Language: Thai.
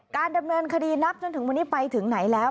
การดำเนินคดีนับจนถึงวันนี้ไปถึงไหนแล้ว